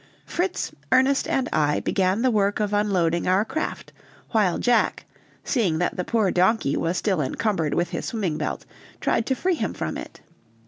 Fritz, Ernest, and I began the work of unloading our craft, while Jack, seeing that the poor donkey was still encumbered with his swimming belt, tried to free him from it.